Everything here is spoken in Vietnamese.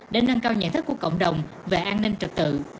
để nâng cao nhận thức của cộng đồng về an ninh trật tự